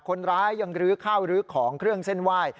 คนร้ายยังรื้อข้าวลื้อของเครื่องเส้นไหว้